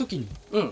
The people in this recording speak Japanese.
うん。